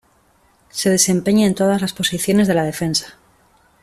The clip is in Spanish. Se desempeña en todas las posiciones de la defensa.